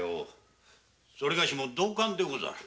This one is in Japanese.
それがしも同感でござる。